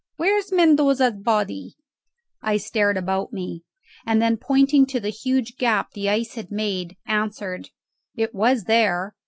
Where's Mendoza's body?" I stared about me, and then pointing to the huge gap the ice had made, answered, "It was there.